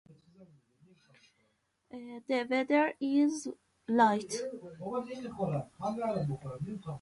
It could be had with all independent suspension and four wheel disc brakes.